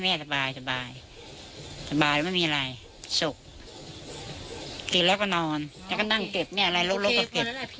เพราะว่าได้ทราบว่ามันเกิดเรื่องอะไรขึ้น